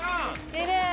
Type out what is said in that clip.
きれい！